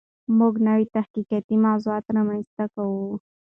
موږ نوي تحقیقاتي موضوعات رامنځته کوو.